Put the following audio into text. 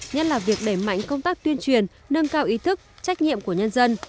nhất là việc đẩy mạnh công tác tuyên truyền nâng cao ý thức trách nhiệm của nhân dân